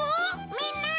みんな